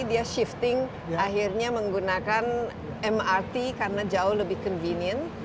dia shifting akhirnya menggunakan mrt karena jauh lebih convenient